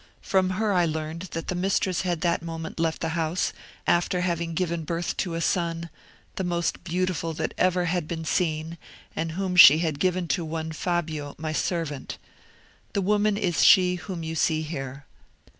From her I learned that her mistress had that moment left the house, after having given birth to a son, the most beautiful that ever had been seen, and whom she had given to one Fabio, my servant. The woman is she whom you see here.